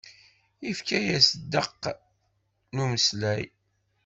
Ifka-yas ddeq n umeslay.